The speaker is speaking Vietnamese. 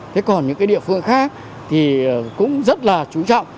thế còn những cái địa phương khác thì cũng rất là chú trọng